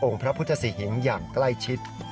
พระพุทธศรีหิงอย่างใกล้ชิด